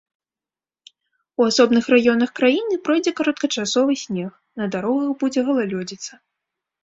У асобных раёнах краіны пройдзе кароткачасовы снег, на дарогах будзе галалёдзіца.